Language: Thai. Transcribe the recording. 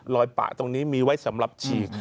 ปะตรงนี้มีไว้สำหรับฉีก